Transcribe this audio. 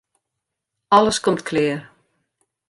Alles komt klear.